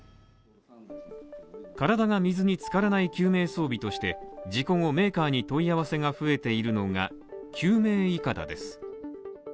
体が水につからない救命装備として、事故後メーカーに問い合わせが増えているのが救命いかだです。